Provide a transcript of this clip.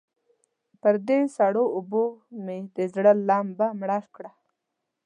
پر دې سړو اوبو مې د زړه لمبه مړه کړه.